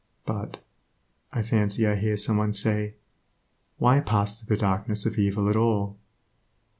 "But," I fancy I hear someone say, "why pass through the darkness of evil at all?"